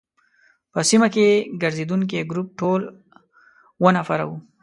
په سیمه کې ګرزېدونکي ګروپ ټول اووه نفره وو.